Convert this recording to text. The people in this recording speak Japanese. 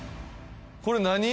これ何？